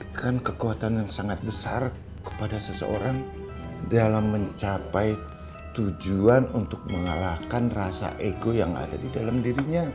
memberikan kekuatan yang sangat besar kepada seseorang dalam mencapai tujuan untuk mengalahkan rasa ego yang ada di dalam dirinya